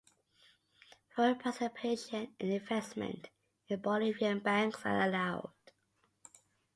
Foreign participation and investment in Bolivian banks are allowed.